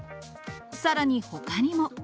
さらにほかにも。